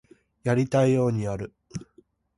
やりたいようにやる